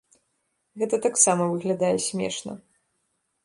Гэта таксама выглядае смешна.